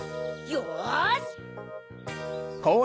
よし！